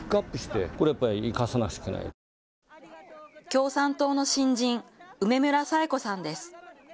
共産党の新人、梅村早江子さんです。